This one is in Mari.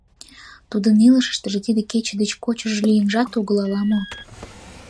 Тудын илышыштыже тиде кече деч кочыжо лийынжат огыл ала мо?